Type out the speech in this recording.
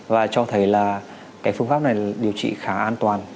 và cho thấy là cái phương pháp này điều trị khá an toàn